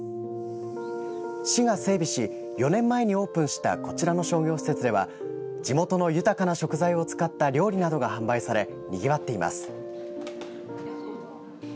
市が整備し４年前にオープンしたこちらの商業施設では地元の豊かな食材を使った料理などが販売されにぎわっています。